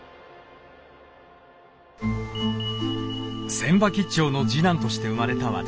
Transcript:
船場兆の次男として生まれた私。